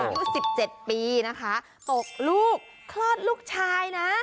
อายุ๑๗ปีนะคะตกลูกคลอดลูกชายนะ